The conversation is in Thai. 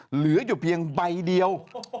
เหลืออยู่เพียงใบเดียว